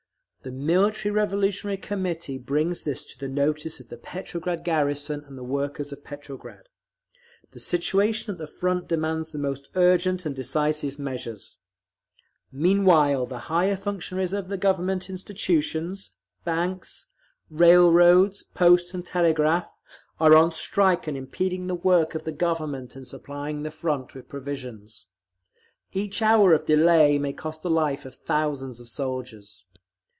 The Military Revolutionary Committee brings this to the notice of the Petrograd garrison and the workers of Petrograd. The situation at the Front demands the most urgent and decisive measures. … Meanwhile the higher functionaries of the Government institutions, banks, railroads, post and telegraph, are on strike and impeding the work of the Government in supplying the Front with provisions…. Each hour of delay may cost the life of thousands of soldiers.